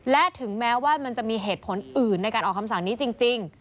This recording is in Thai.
และถึงแม้ว่ามันจะมีเหตุผลอื่นในการออกคำสั่งนี้จริง